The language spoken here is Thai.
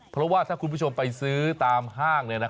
เพราะว่าถ้าคุณผู้ชมไปซื้อตามห้าง